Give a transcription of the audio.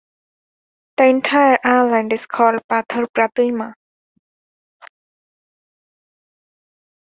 The entire island is called Patharpratima.